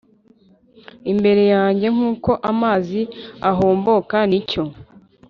Imbere yanjye nk uko amazi ahomboka ni cyo